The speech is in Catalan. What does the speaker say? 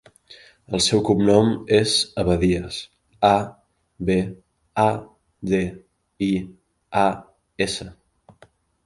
El seu cognom és Abadias: a, be, a, de, i, a, essa.